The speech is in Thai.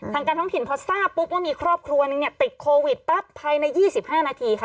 ทางการท้องถิ่นพอทราบปุ๊บว่ามีครอบครัวนึงเนี่ยติดโควิดปั๊บภายใน๒๕นาทีค่ะ